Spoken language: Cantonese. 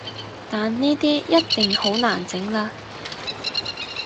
但呢啲一定好難整喇